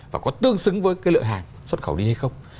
và có tương xứng với cái lượng hàng xuất khẩu đi hay không